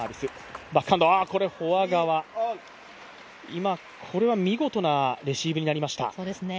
今、これは見事なレシーブになりました。